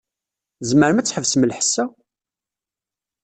Tzemrem ad tḥebsem lḥess-a?